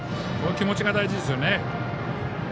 この気持ちが大事ですよね。